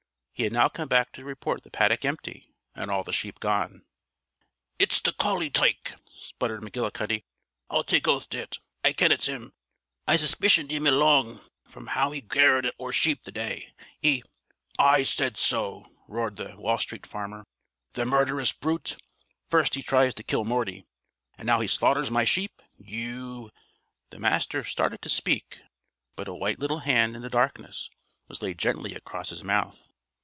He had now come back to report the paddock empty and all the sheep gone. "It's the collie tike!" sputtered McGillicuddy. "I'll tak' oath to it. I ken it's him. I suspeecioned him a' long, from how he garred at oor sheep the day. He " "I said so!" roared the Wall Street Farmer. "The murderous brute! First, he tries to kill Morty. And now he slaughters my sheep. You " The Master started to speak. But a white little hand, in the darkness, was laid gently across his mouth.